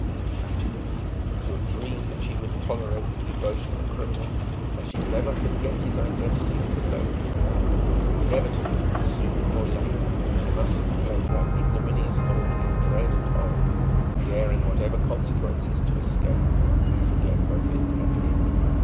Infatuate! to have dreamed that she would tolerate the devotion of a criminal, that she could ever forget his identity with the Lone Wolf. Inevitably soon or late she must have fled that ignominious thought in dread and horror, daring whatever consequences to escape and forget both it and him.